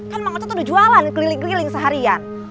kan mang ocat udah jualan keliling keliling seharian